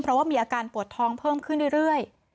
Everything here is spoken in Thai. เพราะว่ามีอาการปวดท้องเพิ่มขึ้นเรื่อย